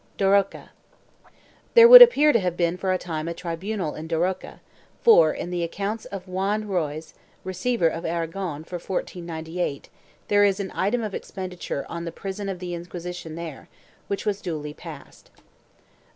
1 DAROCA. There would appear to have been for a time a tribunal in Daroca for, in the accounts of Juan Royz, receiver of Aragon, for 1498 there is an item of expenditure on the prison of the Inquisition there, which was duly passed.